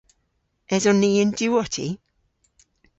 Eson ni y'n diwotti?